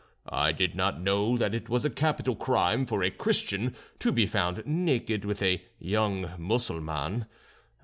I did not know that it was a capital crime for a Christian to be found naked with a young Mussulman.